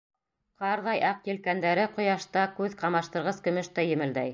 Ҡарҙай аҡ елкәндәре ҡояшта күҙ ҡамаштырғыс көмөштәй емелдәй.